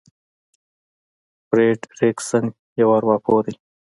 فرېډ ريکسن يو ارواپوه دی.